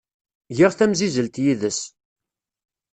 Giɣ timsizzelt yid-s.